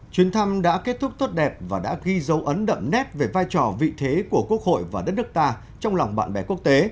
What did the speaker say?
chuyến thăm đã kết thúc tốt đẹp và đã ghi dấu ấn đậm nét về vai trò vị thế của quốc hội và đất nước ta trong lòng bạn bè quốc tế